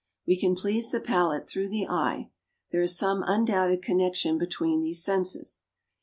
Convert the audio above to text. We can please the palate through the eye. There is some undoubted connection between these senses.